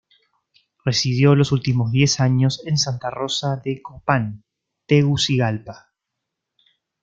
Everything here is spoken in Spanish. Residió los últimos diez años en Santa Rosa de Copán, Tegucigalpa.